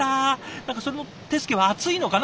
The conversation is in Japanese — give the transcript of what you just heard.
何かその手つきは熱いのかな？